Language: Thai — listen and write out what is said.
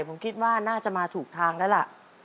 ผมคิดว่าน่าจะมาถูกทางแล้วล่ะ